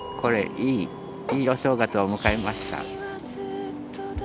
いいお正月を迎えました。